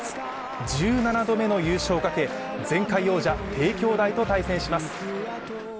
１７度目の優勝をかけ、前回王者・帝京大と対戦します。